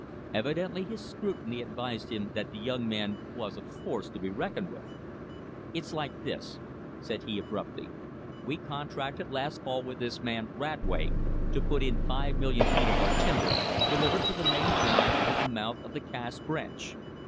Evidently his scrutiny advised him that the young man was a force to be reckoned with. "It's like this," said he abruptly, "we contracted last fall with this man Radway to put in five million feet of our timber, delivered to the main drive at the mouth of the Cass Branch.